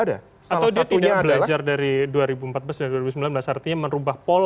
pak prabowo tadi pakai aga catching di pakran awal